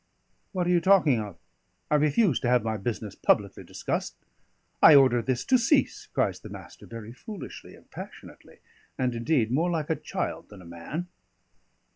"What are you talking of? I refuse to have my business publicly discussed. I order this to cease," cries the Master very foolishly and passionately, and indeed more like a child than a man.